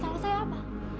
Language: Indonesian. salah saya apa